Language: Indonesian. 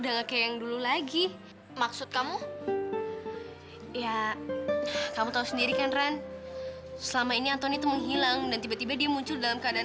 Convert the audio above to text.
jadi aku udah gak berguna